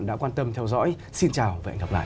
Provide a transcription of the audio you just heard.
đã quan tâm theo dõi xin chào và hẹn gặp lại